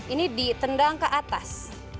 ini ditendang ke atas